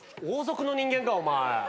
王族の人間かお前。